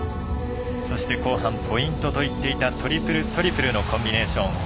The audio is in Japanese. そして後半ポイントといっていたトリプル、トリプルのコンビネーション。